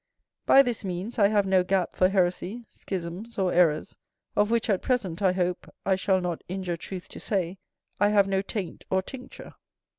By this means I have no gap for heresy, schisms, or errors, of which at present, I hope I shall not injure truth to say, I have no taint or tincture.